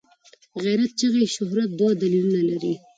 د غیرت چغې شهرت دوه دلیلونه لري.